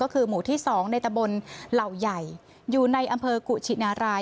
ก็คือหมู่ที่๒ในตะบนเหล่าใหญ่อยู่ในอำเภอกุชินาราย